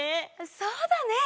そうだね。